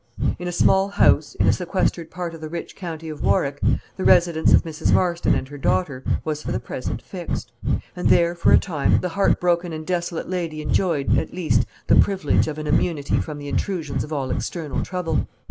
In a small house, in a sequestered part of the rich county of Warwick, the residence of Mrs. Marston and her daughter was for the present fixed. And there, for a time, the heart broken and desolate lady enjoyed, at least, the privilege of an immunity from the intrusions of all external trouble.